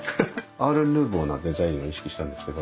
アールヌーボーなデザインを意識したんですけど。